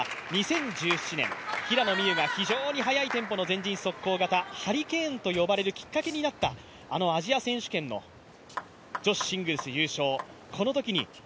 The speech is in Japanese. この対戦というのは２０１７年、平野美宇が非常に早い前陣速攻型、ハリケーンと呼ばれるきっかけになった、あのアジア選手権の女子シングルス決勝。